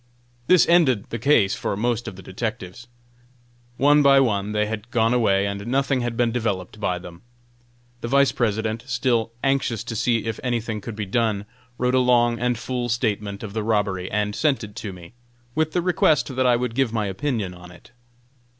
This ended the case for most of the detectives. One by one they had gone away, and nothing had been developed by them. The Vice President, still anxious to see if anything could be done, wrote a long and full statement of the robbery and sent it to me, with the request that I would give my opinion on it.